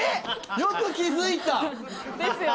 よく気付いた！ですよね。